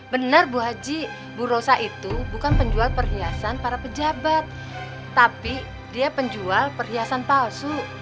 benar bu haji bu rosa itu bukan penjual perhiasan para pejabat tapi dia penjual perhiasan palsu